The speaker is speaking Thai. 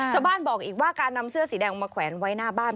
ชาวบ้านบอกอีกว่าการนำเสื้อสีแดงมาแขวนไว้หน้าบ้าน